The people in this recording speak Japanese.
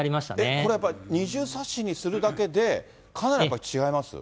これやっぱり、二重サッシにするだけでかなり違います？